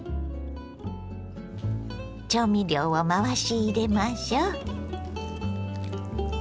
調味料を回し入れましょう。